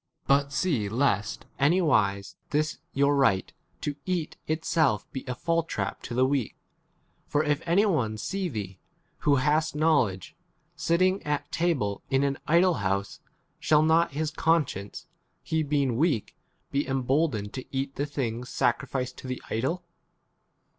d But see lest anywise this your right e [to eat] itself be a fall trap to the weak. 10 For if any one see thee, who hast knowledge, sitting at table in an idol house, shall not his con science/ he being weak, be em boldened s to eat the things sa 11 crificed to the idol ?